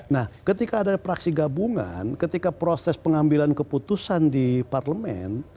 nah ketika ada praksi gabungan ketika proses pengambilan keputusan di parlemen